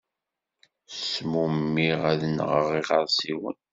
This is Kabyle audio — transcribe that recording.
Smumiɣ ad nɣeɣ iɣersiwen.